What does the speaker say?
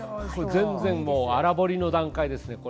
全然、粗彫りの段階です